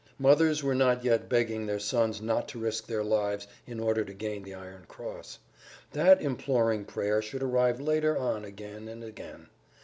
Mothers were not yet begging their sons not to risk their lives in order to gain the iron cross; that imploring prayer should arrive later on again and again.